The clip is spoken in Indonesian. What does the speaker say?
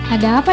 ada apa ya